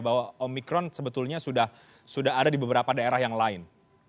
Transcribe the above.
bahwa omikron sebetulnya sudah ada di beberapa daerah yang lain